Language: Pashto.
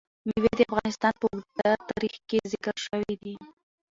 مېوې د افغانستان په اوږده تاریخ کې ذکر شوی دی.